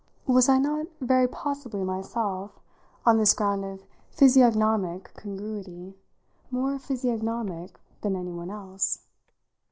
Was I not very possibly myself, on this ground of physiognomic congruity, more physiognomic than anyone else?